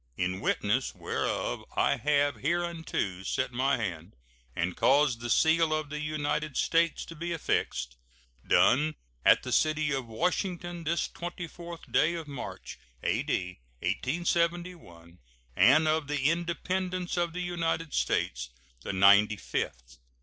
In witness whereof I have hereunto set my hand and caused the seal of the United States to be affixed. [SEAL.] Done at the city of Washington, this 24th day of March, A.D. 1871, and of the Independence of the United States the ninety fifth.